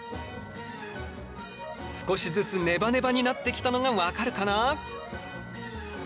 少しずつネバネバになってきたのが分かるかな？